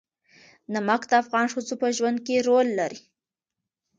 نمک د افغان ښځو په ژوند کې رول لري.